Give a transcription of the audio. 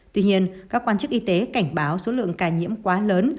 tuy nhiên các quan chức y tế cảnh báo số lượng ca nhiễm quá lớn